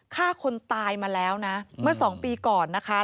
ฆ่าคนตายมาแล้วนะเมื่อสองปีก่อนนะคะ